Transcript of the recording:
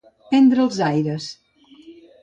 Prendre els aires.